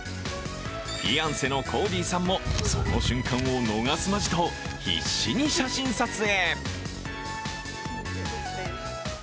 フィアンセのコーディさんもその瞬間を逃すまじと必死に写真撮影。